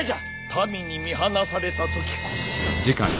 民に見放された時こそ。